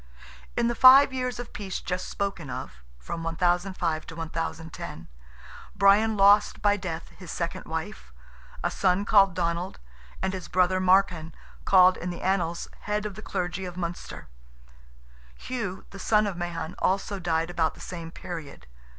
In the five years of peace just spoken of (from 1005 to 1010), Brian lost by death his second wife, a son called Donald, and his brother Marcan, called in the annals "head of the clergy of Munster;" Hugh, the son of Mahon, also died about the same period.